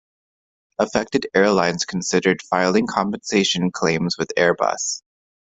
Affected airlines considered filing compensation claims with Airbus.